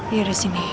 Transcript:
iya dari sini